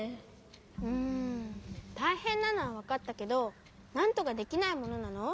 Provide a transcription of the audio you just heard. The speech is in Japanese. うんたいへんなのはわかったけどなんとかできないものなの？